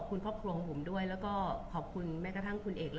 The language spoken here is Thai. บุ๋มประดาษดาก็มีคนมาให้กำลังใจเยอะ